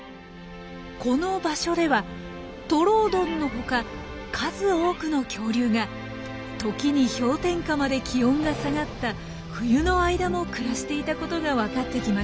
この場所ではトロオドンの他数多くの恐竜が時に氷点下まで気温が下がった冬の間も暮らしていたことが分かってきました。